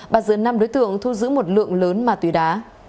bắt giữ năm đối tượng thu giữ một lượng lớn ma túy đá